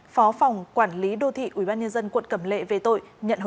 phó phòng quản lý đô thị ubnd quận cẩm lệ về tội